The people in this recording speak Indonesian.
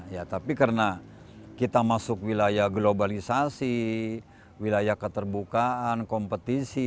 ya tapi karena kita masuk wilayah globalisasi wilayah keterbukaan kompetisi